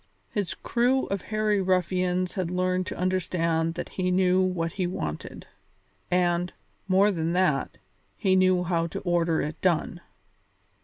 His crew of hairy ruffians had learned to understand that he knew what he wanted, and, more than that, he knew how to order it done.